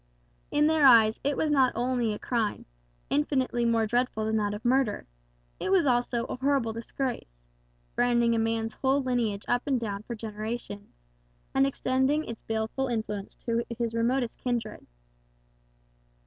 In their eyes it was not only a crime, infinitely more dreadful than that of murder; it was also a horrible disgrace, branding a man's whole lineage up and down for generations, and extending its baleful influence to his remotest kindred.